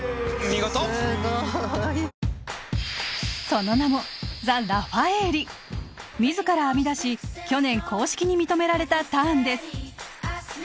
その名も自ら編み出し去年公式に認められたターンです。